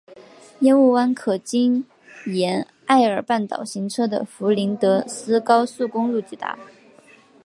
烟雾湾可经沿艾尔半岛行车的弗林德斯高速公路抵达。